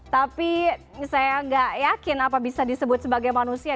tapi saya nggak yakin apa bisa disebut sebagai manusia